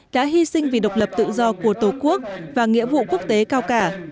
đã hy sinh vì độc lập tự do của tổ quốc và nghĩa vụ quốc tế cao cả